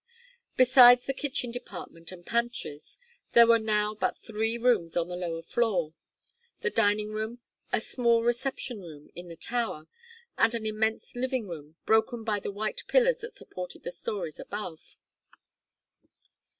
Besides the kitchen department and pantries, there were now but three rooms on the lower floor: the dining room, a small reception room in the tower, and an immense living room, broken by the white pillars that supported the storys above.